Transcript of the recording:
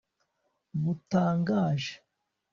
butangaje